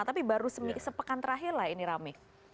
tapi baru sepekan terakhirlah ini rame